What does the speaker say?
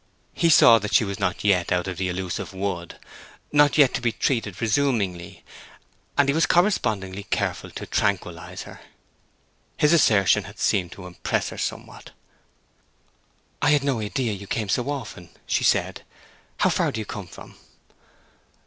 He saw that she was not yet out of the elusive mood; not yet to be treated presumingly; and he was correspondingly careful to tranquillize her. His assertion had seemed to impress her somewhat. "I had no idea you came so often," she said. "How far do you come from?"